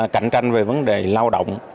cạnh tranh về vấn đề lao động